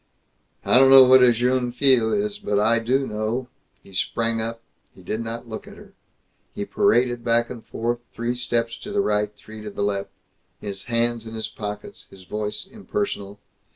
"I don't know what a jeune fille is, but I do know " He sprang up. He did not look at her. He paraded back and forth, three steps to the right, three to the left, his hands in his pockets, his voice impersonal.